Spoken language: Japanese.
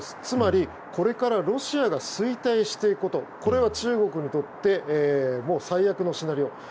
つまりこれからロシアが衰退していくことこれは中国にとって最悪のシナリオ。